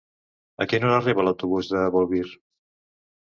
A quina hora arriba l'autobús de Bolvir?